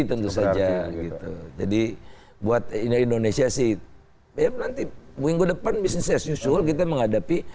tentu saja gitu jadi buat indonesia sih ya nanti minggu depan bisnis saya nyusul kita menghadapi